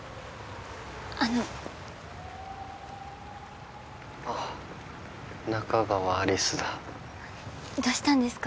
あのあっ仲川有栖だどうしたんですか？